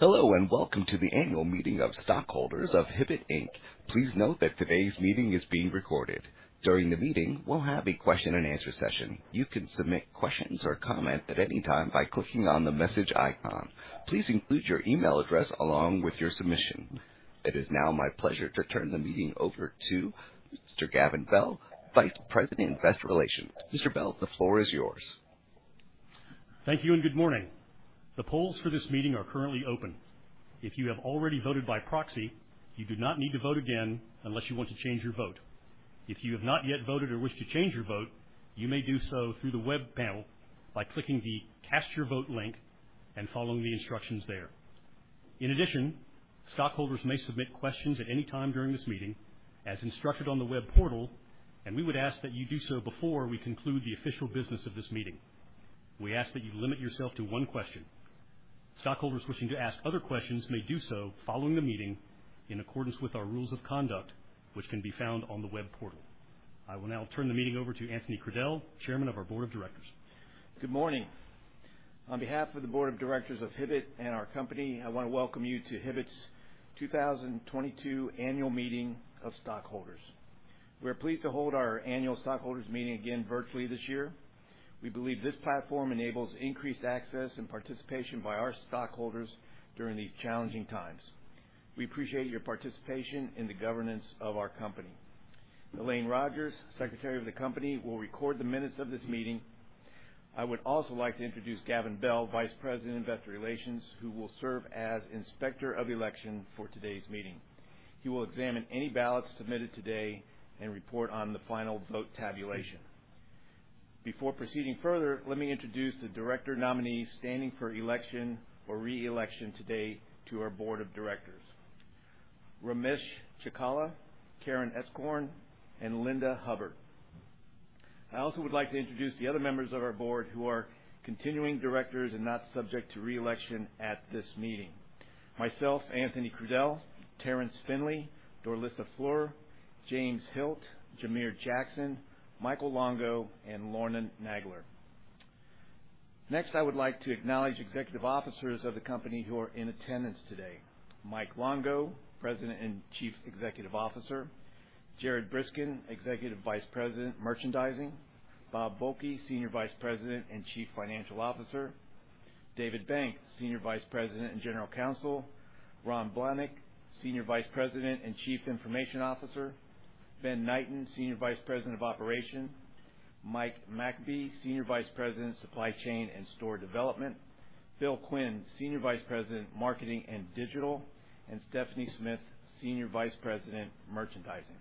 Hello, and welcome to the annual meeting of stockholders of Hibbett, Inc. Please note that today's meeting is being recorded. During the meeting, we'll have a question and answer session. You can submit questions or comment at any time by clicking on the message icon. Please include your email address along with your submission. It is now my pleasure to turn the meeting over to Mr. Gavin Bell, Vice President, Investor Relations. Mr. Bell, the floor is yours. Thank you and good morning. The polls for this meeting are currently open. If you have already voted by proxy, you do not need to vote again unless you want to change your vote. If you have not yet voted or wish to change your vote, you may do so through the web panel by clicking the Cast Your Vote link and following the instructions there. In addition, stockholders may submit questions at any time during this meeting, as instructed on the web portal, and we would ask that you do so before we conclude the official business of this meeting. We ask that you limit yourself to one question. Stockholders wishing to ask other questions may do so following the meeting in accordance with our rules of conduct, which can be found on the web portal. I will now turn the meeting over to Anthony F. Crudele, Chairman of our Board of Directors. Good morning. On behalf of the Board of Directors of Hibbett and our company, I want to welcome you to Hibbett's 2022 annual meeting of stockholders. We are pleased to hold our annual stockholders meeting again virtually this year. We believe this platform enables increased access and participation by our stockholders during these challenging times. We appreciate your participation in the governance of our company. Elaine Rogers, Secretary of the company, will record the minutes of this meeting. I would also like to introduce Gavin Bell, Vice President, Investor Relations, who will serve as Inspector of Election for today's meeting. He will examine any ballots submitted today and report on the final vote tabulation. Before proceeding further, let me introduce the director nominees standing for election or re-election today to our board of directors. Ramesh Chikkala, Karen Etzkorn, and Linda Hubbard. I also would like to introduce the other members of our board who are continuing directors and not subject to re-election at this meeting. Myself, Anthony Crudele, Terrance Finley, Dorlisa Flur, James Hilt, Jamere Jackson, Michael Longo, and Lorna Nagler. Next, I would like to acknowledge executive officers of the company who are in attendance today. Mike Longo, President and Chief Executive Officer. Jared Briskin, Executive Vice President, Merchandising. Bob Volke, Senior Vice President and Chief Financial Officer. David Benck, Senior Vice President and General Counsel. Ron Blahnik, Senior Vice President and Chief Information Officer. Ben Knighten, Senior Vice President of Operations. Mike McAbee, Senior Vice President, Supply Chain and Store Development. Bill Quinn, Senior Vice President, Marketing and Digital. Stephanie Smith, Senior Vice President, Merchandising.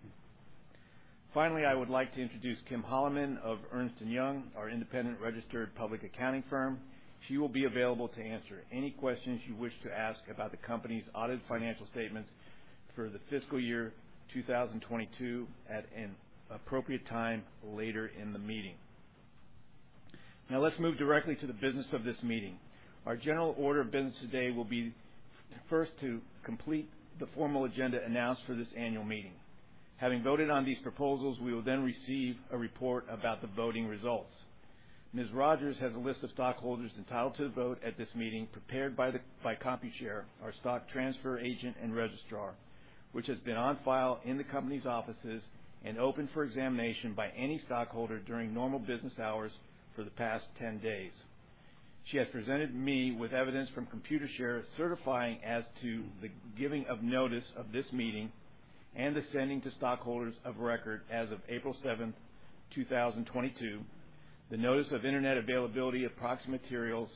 Finally, I would like to introduce Kim Holloman of Ernst & Young, our independent registered public accounting firm. She will be available to answer any questions you wish to ask about the company's audited financial statements for the fiscal year 2022 at an appropriate time later in the meeting. Now let's move directly to the business of this meeting. Our general order of business today will be first to complete the formal agenda announced for this annual meeting. Having voted on these proposals, we will then receive a report about the voting results. Ms. Rogers has a list of stockholders entitled to vote at this meeting prepared by Computershare, our stock transfer agent and registrar, which has been on file in the company's offices and open for examination by any stockholder during normal business hours for the past 10 days. She has presented me with evidence from Computershare certifying as to the giving of notice of this meeting and the sending to stockholders of record as of April 7, 2022, the notice of Internet availability of proxy materials,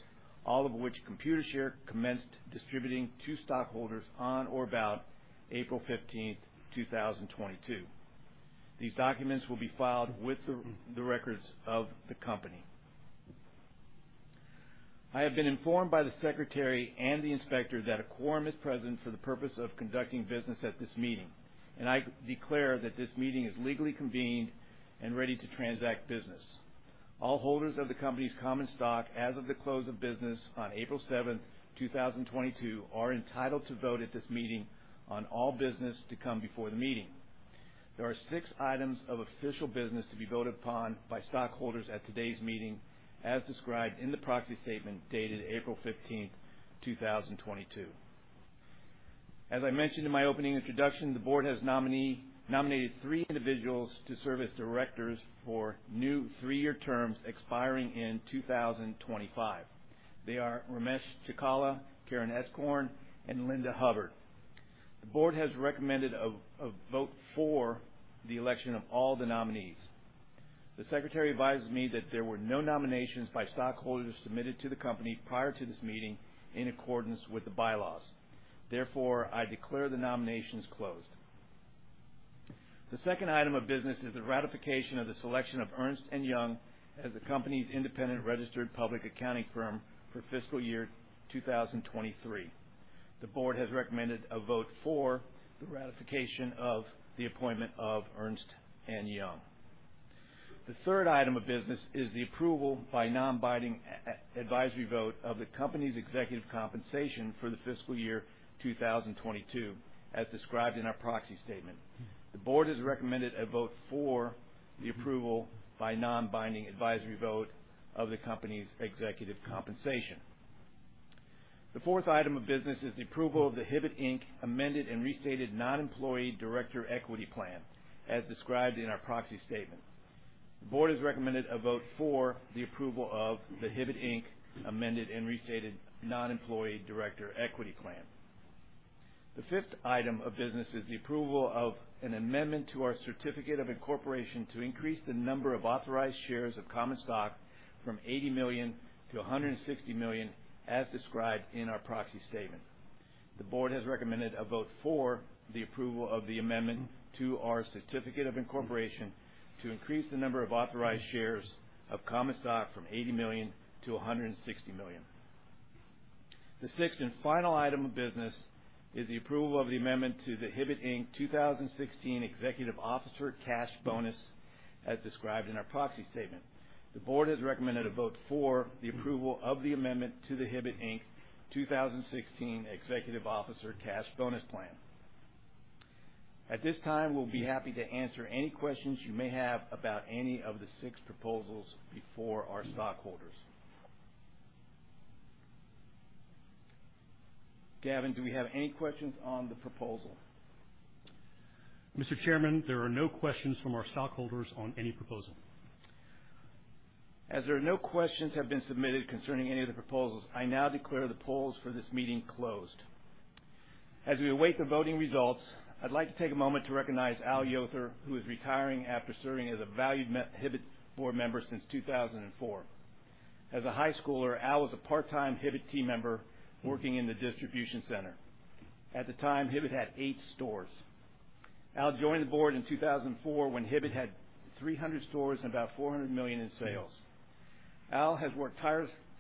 all of which Computershare commenced distributing to stockholders on or about April 15, 2022. These documents will be filed with the records of the company. I have been informed by the secretary and the inspector that a quorum is present for the purpose of conducting business at this meeting, and I declare that this meeting is legally convened and ready to transact business. All holders of the company's common stock as of the close of business on April 7, 2022 are entitled to vote at this meeting on all business to come before the meeting. There are six items of official business to be voted upon by stockholders at today's meeting, as described in the proxy statement dated April 15, 2022. As I mentioned in my opening introduction, the board has nominated three individuals to serve as directors for new three-year terms expiring in 2025. They are Ramesh Chikkala, Karen Etzkorn, and Linda Hubbard. The board has recommended a vote for the election of all the nominees. The secretary advises me that there were no nominations by stockholders submitted to the company prior to this meeting in accordance with the bylaws. Therefore, I declare the nominations closed. The second item of business is the ratification of the selection of Ernst & Young as the company's independent registered public accounting firm for fiscal year 2023. The board has recommended a vote for the ratification of the appointment of Ernst & Young. The third item of business is the approval by non-binding advisory vote of the company's executive compensation for the fiscal year 2022, as described in our proxy statement. The board has recommended a vote for the approval by non-binding advisory vote of the company's executive compensation. The fourth item of business is the approval of the Hibbett, Inc. Amended and Restated Non-Employee Director Equity Plan as described in our proxy statement. The board has recommended a vote for the approval of the Hibbett, Inc. Amended and Restated Non-Employee Director Equity Plan. The fifth item of business is the approval of an amendment to our certificate of incorporation to increase the number of authorized shares of common stock from 80 million to 160 million, as described in our proxy statement. The board has recommended a vote for the approval of the amendment to our certificate of incorporation to increase the number of authorized shares of common stock from 80 million to 160 million. The sixth and final item of business is the approval of the amendment to the Hibbett, Inc. 2016 Executive Officer Cash Bonus, as described in our proxy statement. The board has recommended a vote for the approval of the amendment to the Hibbett, Inc. 2016 Executive Officer Cash Bonus Plan. At this time, we'll be happy to answer any questions you may have about any of the six proposals before our stockholders. Gavin, do we have any questions on the proposal? Mr. Chairman, there are no questions from our stockholders on any proposal. As there are no questions have been submitted concerning any of the proposals, I now declare the polls for this meeting closed. As we await the voting results, I'd like to take a moment to recognize Al Yother, who is retiring after serving as a valued Hibbett board member since 2004. As a high schooler, Al was a part-time Hibbett team member working in the distribution center. At the time, Hibbett had eight stores. Al joined the board in 2004 when Hibbett had 300 stores and about $400 million in sales. Al has worked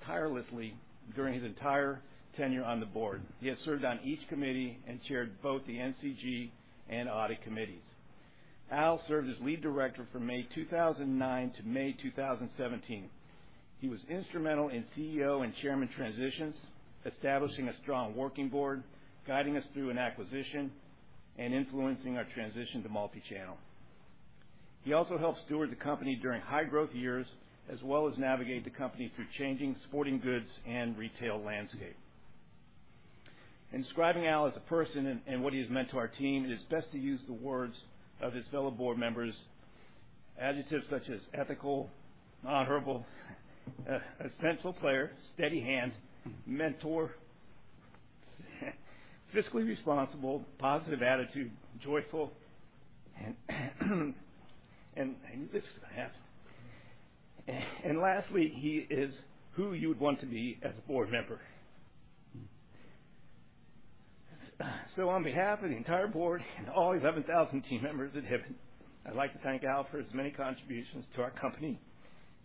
tirelessly during his entire tenure on the board. He has served on each committee and chaired both the NCG and audit committees. Al served as lead director from May 2009 to May 2017. He was instrumental in CEO and chairman transitions, establishing a strong working board, guiding us through an acquisition, and influencing our transition to multi-channel. He also helped steward the company during high growth years as well as navigate the company through changing sporting goods and retail landscape. In describing Al as a person and what he has meant to our team, it is best to use the words of his fellow board members. Adjectives such as ethical, honorable, essential player, steady hand, mentor, fiscally responsible, positive attitude, joyful, and this is gonna happen. And lastly, he is who you would want to be as a board member. On behalf of the entire board and all 11,000 team members at Hibbett, I'd like to thank Al for his many contributions to our company.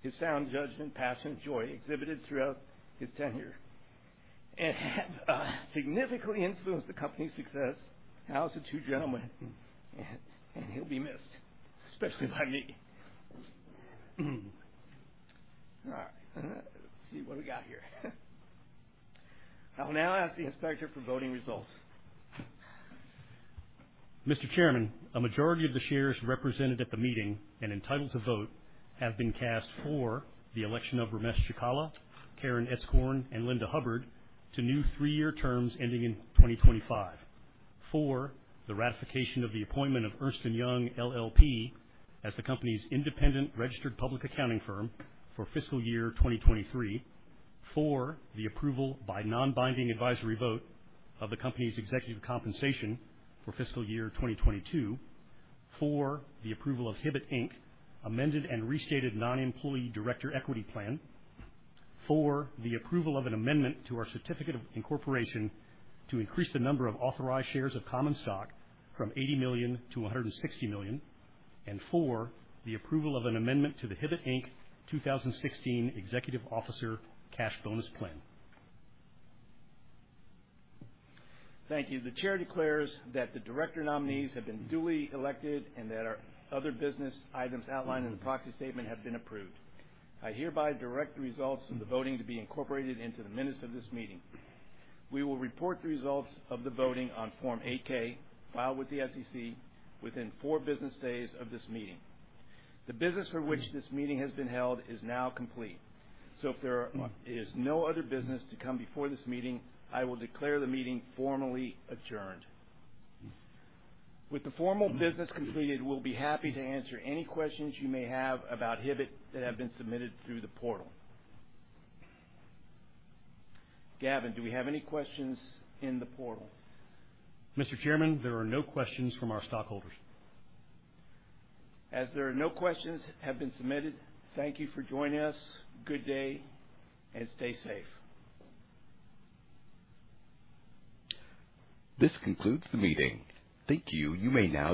His sound judgment, passion, joy exhibited throughout his tenure and significantly influenced the company's success. Al's a true gentleman, and he'll be missed, especially by me. All right. Let's see what we got here. I'll now ask the inspector for voting results. Mr. Chairman, a majority of the shares represented at the meeting and entitled to vote have been cast for the election of Ramesh Chikkala, Karen Etzkorn, and Linda Hubbard to new three-year terms ending in 2025. For the ratification of the appointment of Ernst & Young LLP as the company's independent registered public accounting firm for fiscal year 2023. For the approval by non-binding advisory vote of the company's executive compensation for fiscal year 2022. For the approval of Hibbett, Inc. amended and restated non-employee director equity plan. For the approval of an amendment to our certificate of incorporation to increase the number of authorized shares of common stock from 80 million to 160 million. For the approval of an amendment to the Hibbett, Inc. 2016 executive officer cash bonus plan. Thank you. The chair declares that the director nominees have been duly elected and that our other business items outlined in the proxy statement have been approved. I hereby direct the results of the voting to be incorporated into the minutes of this meeting. We will report the results of the voting on Form 8-K filed with the SEC within four business days of this meeting. The business for which this meeting has been held is now complete. If there is no other business to come before this meeting, I will declare the meeting formally adjourned. With the formal business completed, we'll be happy to answer any questions you may have about Hibbett that have been submitted through the portal. Gavin, do we have any questions in the portal? Mr. Chairman, there are no questions from our stockholders. As no questions have been submitted, thank you for joining us. Good day, and stay safe. This concludes the meeting. Thank you. You may now